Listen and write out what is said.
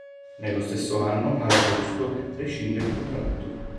Nello stesso anno, ad agosto, rescinde il contratto.